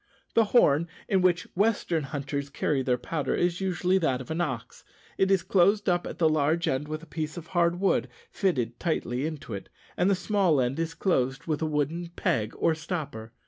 The horn in which western hunters carry their powder is usually that of an ox. It is closed up at the large end with a piece of hard wood fitted tightly into it, and the small end is closed with a wooden peg or stopper.